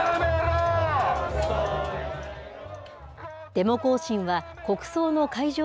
デモ行進は、国葬の会場